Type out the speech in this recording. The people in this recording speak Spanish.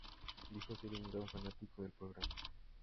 Dijo ser un gran fanático del programa.